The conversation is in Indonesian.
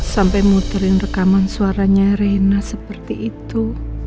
sampai muterin rekaman suaranya reina seperti itu